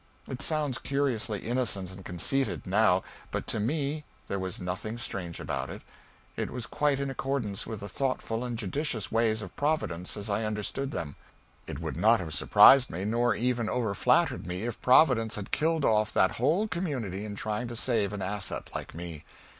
It sounds curiously innocent and conceited, now, but to me there was nothing strange about it; it was quite in accordance with the thoughtful and judicious ways of Providence as I understood them. It would not have surprised me, nor even over flattered me, if Providence had killed off that whole community in trying to save an asset like me.